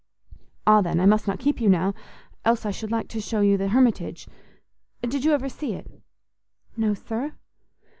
"Ah, then, I must not keep you now, else I should like to show you the Hermitage. Did you ever see it?" "No, sir."